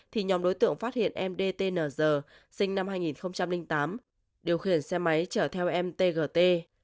thì nhóm đối tượng phát hiện mdtng sinh năm hai nghìn tám điều khiển xe máy chở theo mtgt